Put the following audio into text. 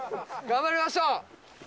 頑張りましょう！